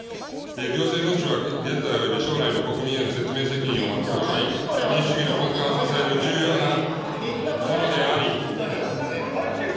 行政文書は現在および将来の国民への説明責任を全うし、民主主義の根幹を支える重要なものであり。